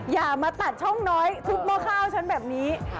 อย่ามาตัดช่องน้อยทุบหม้อข้าวฉันแบบนี้